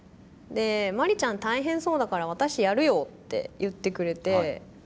で「麻里ちゃん大変そうだから私やるよ」って言ってくれて。